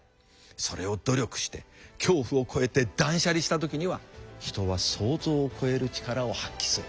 それを努力して恐怖を越えて断捨離した時には人は想像を超える力を発揮する。